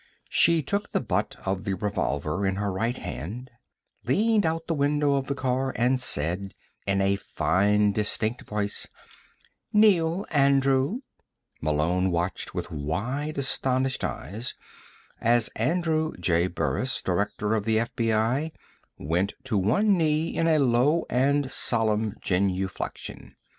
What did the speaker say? She took the butt of the revolver in her right hand, leaned out the window of the car, and said in a fine, distinct voice: "Kneel, Andrew." Malone watched with wide, astonished eyes as Andrew J. Burris, Director of the FBI, went to one knee in a low and solemn genuflection.